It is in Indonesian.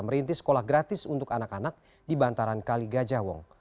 merintis sekolah gratis untuk anak anak di bantaran kali gajah wong